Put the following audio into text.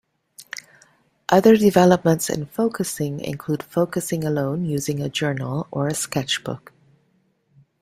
Other developments in Focusing include focusing alone using a journal or a sketchbook.